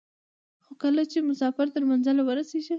خو کله چې مسافر تر منزل ورسېږي.